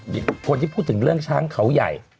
มีบุคคลที่พูดถึงเรื่องช้างเขาใหญ่